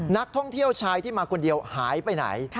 นักท่องเที่ยวชายที่มาคนเดียวหายไปไหน